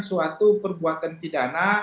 suatu perbuatan pidana